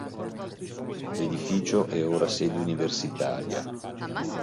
L'edificio è ora sede universitaria.